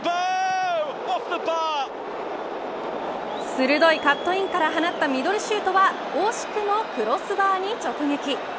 鋭いカットインから放ったミドルシュートは惜しくもクロスバーに直撃。